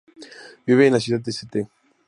Vive en la ciudad de St.